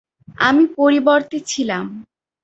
আমি পরিবর্তে ছিলাম।